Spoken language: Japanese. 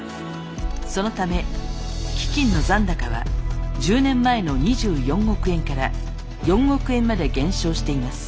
そのため基金の残高は１０年前の２４億円から４億円まで減少しています。